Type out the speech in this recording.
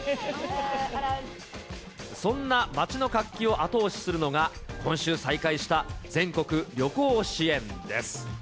そんな街の活気を後押しするのが、今週再開した全国旅行支援です。